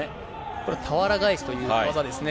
これ、たわら返しという技ですね。